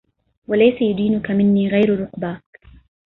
وليس يُدنيك منى غير رُقباكَ